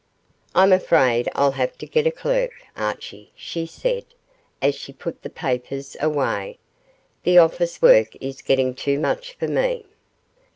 'I'm afraid I'll have to get a clerk, Archie,' she said, as she put the papers away, 'the office work is getting too much for me.